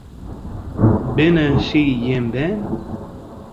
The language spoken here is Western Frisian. Binne sy jim bern?